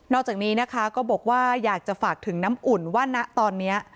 อกจากนี้นะคะก็บอกว่าอยากจะฝากถึงน้ำอุ่นว่าณตอนนี้